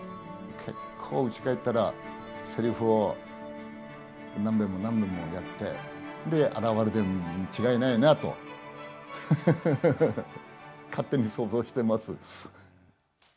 結構うち帰ったらせりふを何べんも何べんもやって現れているに違いないなと勝手に想像してます。